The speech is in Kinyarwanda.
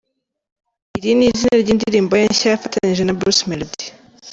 Iri ni izina ry’indirimbo ye nshya yafatanyije na Bruce Melody.